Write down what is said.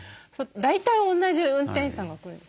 大体同じ運転手さんが来るんで。